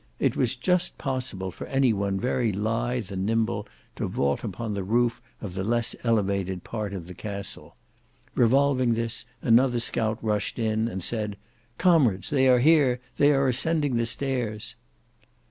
It was just possible for any one very lithe and nimble to vault upon the roof of the less elevated part of the castle. Revolving this, another scout rushed in and said, "Comrades, they are here! they are ascending the stairs."